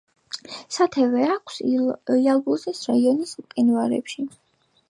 სათავე აქვს იალბუზის რაიონის მყინვარებში.